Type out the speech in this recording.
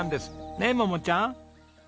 ねえ桃ちゃん。